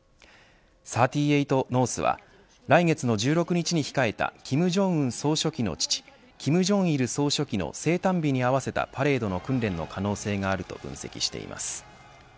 ３８ノースは来月の１６日に控えた金正恩総書記の父金正日総書記の生誕日に合わせたパレードの訓練の可能性があると分析しています。